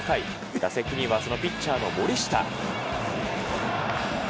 打席にはそのピッチャーの森下。